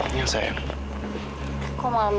iya kayak gitu